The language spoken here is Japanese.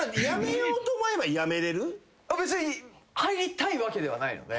別に入りたいわけではないので。